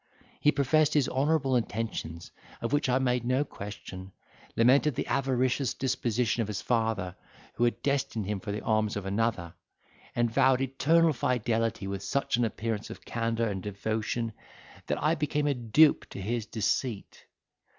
He professed his honourable intentions, of which I made no question; lamented the avaricious disposition of his father, who had destined him for the arms of another, and vowed eternal fidelity with such an appearance of candour and devotion—that I became a dupe to his deceit.